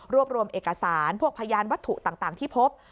รวมรวมเอกสารพวกพยานวัตถุต่างที่พบ